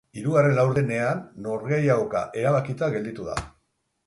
Hirugarren laurdenean norgehiagoka erabakita gelditu da.